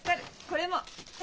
これも！